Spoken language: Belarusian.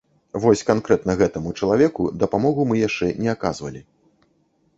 Вось канкрэтна гэтаму чалавеку дапамогу мы яшчэ не аказывалі.